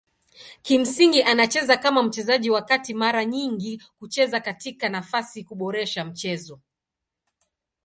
Kimsingi anacheza kama mchezaji wa kati mara nyingi kucheza katika nafasi kuboresha mchezo.